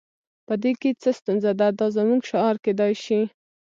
په دې کې څه ستونزه ده دا زموږ شعار کیدای شي